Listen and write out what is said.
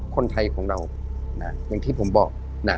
คนไทยของเราอย่างที่ผมบอกนะ